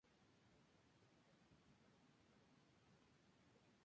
Ha sido campeona del Mundo y de Europa con la selección española de pádel.